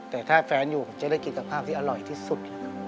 แต่ถ้าแฟนอยู่จะได้กิจภาพที่อร่อยที่สุด